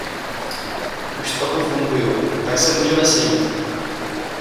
Už trochu funguju, tak se můžeme sejít.